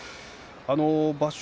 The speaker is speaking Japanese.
場所